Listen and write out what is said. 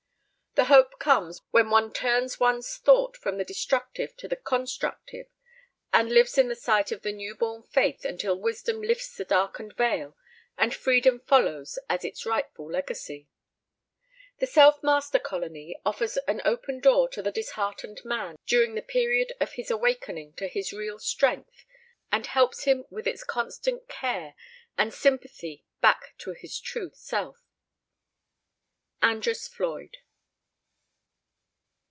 The hope comes when one turns one's thought from the destructive to the constructive, and lives in the sight of the new born faith until wisdom lifts the darkened veil and freedom follows as its rightful legacy. The Self Master Colony offers an open door to the disheartened man during the period of his awakening to his real strength and helps him with its constant care and sympathy back to his true self. ANDRESS FLOYD.